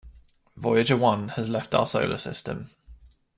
Voyager One has left our solar system.